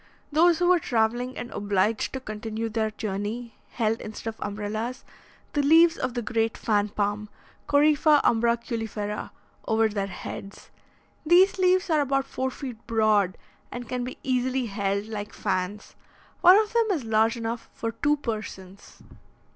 Those who were travelling and obliged to continue their journey, held, instead of umbrellas, the leaves of the great fan palm (Corypha umbraculifera) over their heads. These leaves are about four feet broad, and can be easily held, like fans. One of them is large enough for two persons.